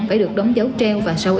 phải được đóng dấu treo và sau y